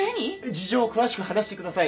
事情を詳しく話してください。